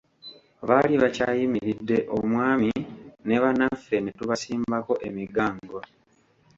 Baali bakyayimiridde omwami, ne bannaffe ne tubasimbako emigango.